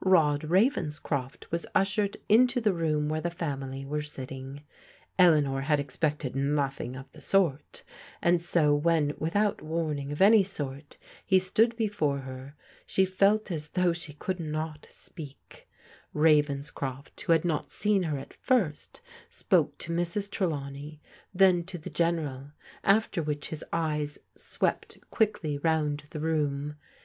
Rod Ravenscroft was ushered into the room where the family were sitting, Eleanor had expected nothing of the sort, and so when, without warning of any sort, he stood before her, she felt mjL. thnixgh she cou\d not s^^isu PEGGY PLEADS WITH ELEANOR 375 Ravenscroft, who had not seen her at first, spoke to Mrs. Trelawney, then to the General, after which his eyes swept quickly round the room.